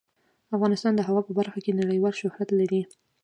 افغانستان د هوا په برخه کې نړیوال شهرت لري.